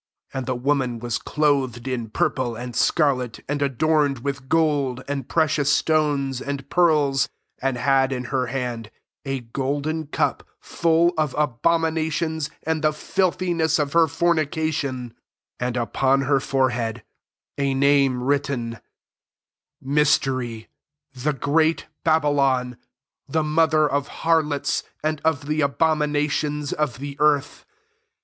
4 And the woman was clothed in purple and scarlet, and adorned with gold, and pre cious stones, and pearls, and had in her hand a golden cup full of abominations and the filthiness of her fornication ; 5 and upon her forehead a name written, Mystery, the oreat Babylon, the mother of har lots AND OF THE ABOMINATIONS OF THE EARTH.